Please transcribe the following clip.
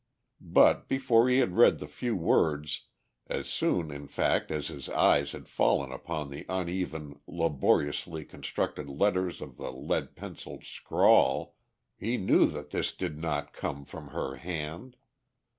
But before he had read the few words, as soon in fact as his eyes had fallen upon the uneven, laboriously constructed letters of the lead pencilled scrawl, he knew that this did not come from her hand.